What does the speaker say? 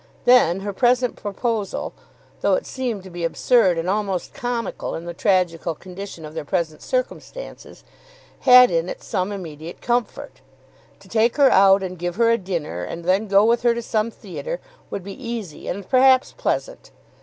Then her present proposal, though it seemed to be absurd and almost comical in the tragical condition of their present circumstances, had in it some immediate comfort. To take her out and give her a dinner, and then go with her to some theatre, would be easy and perhaps pleasant.